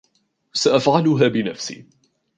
سأفعلها بنفسي.